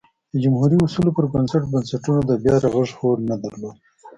د جمهوري اصولو پر بنسټ بنسټونو د بیا رغښت هوډ نه درلود